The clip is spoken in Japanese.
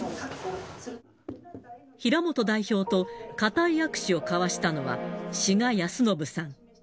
平本代表と固い握手を交わしたのは、志賀泰伸さん。